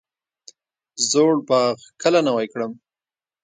زوړ باغ کله نوی کړم؟